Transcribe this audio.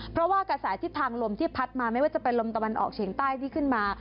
เพราะว่ากระแสทิศทางลมที่พัดมาไม่ว่าจะเป็นลมตะวันออกเฉียงใต้ที่ขึ้นมา